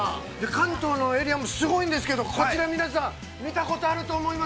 ◆関東のエリアもすごいんですけど、こちら皆さん、見たことあると思います。